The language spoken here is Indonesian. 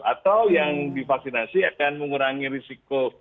atau yang divaksinasi akan mengurangi risiko